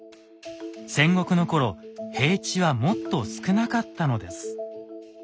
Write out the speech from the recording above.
戦国の頃平地はもっと少なかったのです。